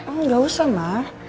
enggak usah mak